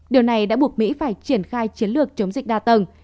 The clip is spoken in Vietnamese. điều này đã buộc mỹ phải triển khai chiến lược chống dịch đa tầng